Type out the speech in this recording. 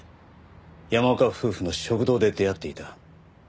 山岡夫婦の食堂で出会っていた。